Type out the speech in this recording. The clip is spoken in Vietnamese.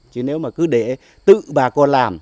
chứ nếu mà cứ để tự bà con làm